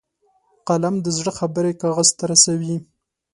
قلم د زړه خبرې کاغذ ته رسوي